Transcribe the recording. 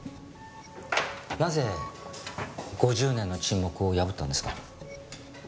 なぜ５０年の沈黙を破ったんですか？